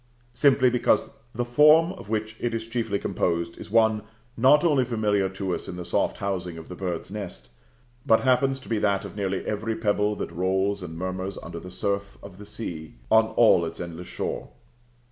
Simply because the form of which it is chiefly composed is one not only familiar to us in the soft housing of the bird's nest, but happens to be that of nearly every pebble that rolls and murmurs under the surf of the sea, on all its endless shore.